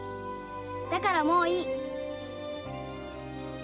だからもういい。